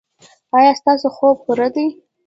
ایا ستاسو خوب پوره دی؟